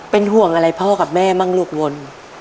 เป็นห่วงอะไรพ่อกับแม่บ้างลูกวน